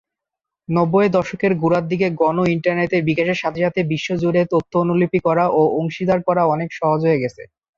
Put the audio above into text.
নব্বইয়ের দশকের গোড়ার দিকে গণ ইন্টারনেটের বিকাশের সাথে সাথে বিশ্বজুড়ে তথ্য অনুলিপি করা ও অংশীদার করা অনেক সহজ হয়ে গেছে।